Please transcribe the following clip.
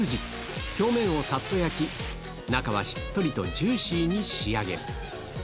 表面をさっと焼き、中はしっとりとジューシーに仕上げる。